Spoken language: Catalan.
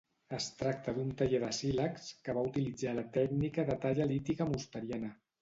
Es tracta d'un taller de sílex que va utilitzar la tècnica de talla lítica mosteriana.